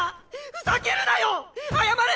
ふざけるなよ謝れ！